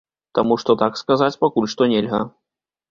Таму што так сказаць пакуль што нельга.